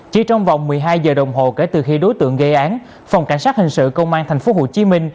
chỉ trong vòng một mươi hai giờ đồng hồ kể từ khi đối tượng gây án phòng cảnh sát hình sự công an tp hcm